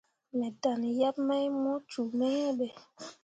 Me dan yeb mai mu cume iŋ be.